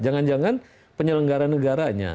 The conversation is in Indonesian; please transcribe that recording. jangan jangan penyelenggaraan negaranya